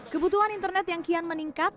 kebutuhan internet yang kian meningkat